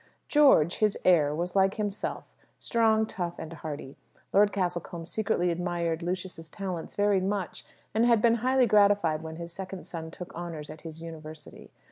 George, his heir, was like himself strong, tough, and hardy. Lord Castlecombe secretly admired Lucius's talents very much, and had been highly gratified when his second son took honours at his University.